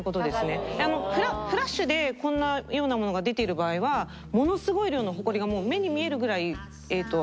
フラッシュでこんなようなものが出ている場合はものすごい量のホコリがもう目に見えるぐらいあるはずなので。